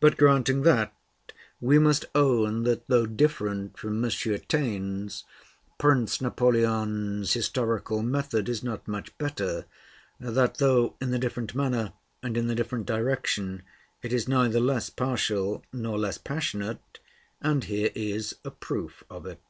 But granting that, we must own that though different from M. Taine's, Prince Napoleon's historical method is not much better; that though in a different manner and in a different direction, it is neither less partial nor less passionate: and here is a proof of it.